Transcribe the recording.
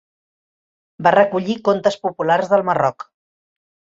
Va recollir contes populars del Marroc.